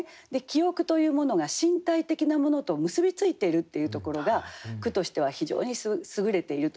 記憶というものが身体的なものと結び付いてるっていうところが句としては非常に優れていると思いますし。